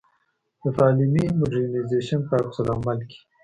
د تعلیمي مډرنیزېشن په عکس العمل کې.